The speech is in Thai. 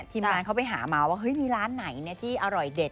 ทีมงานเขาไปหามาว่าเฮ้ยมีร้านไหนที่อร่อยเด็ด